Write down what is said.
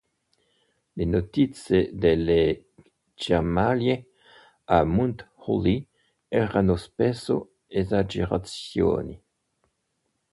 Le notizie delle schermaglie a Mount Holly erano spesso esagerazioni.